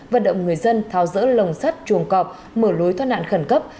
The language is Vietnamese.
vận động người dân thao dỡ lồng sắt chuồng cọp mở lối thoát nạn khẩn cấp